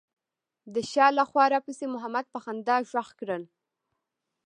د شا له خوا راپسې محمد په خندا غږ کړل.